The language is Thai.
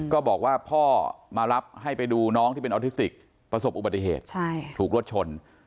ก็บอกว่าพ่อมารับให้ไปดูน้องที่เป็นออทิสติกประสบอุบัติเหตุถูกรถชน